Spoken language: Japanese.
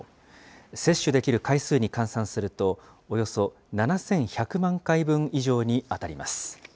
接種できる回数に換算すると、およそ７１００万回分以上に当たります。